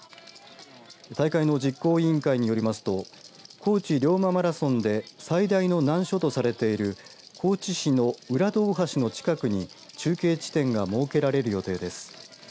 大会の実行委員会によりますと高知龍馬マラソンで最大の難所とされている高知市の浦戸大橋の近くに中継地点が設けられる予定です。